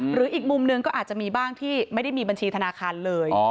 อีกมุมหนึ่งก็อาจจะมีบ้างที่ไม่ได้มีบัญชีธนาคารเลย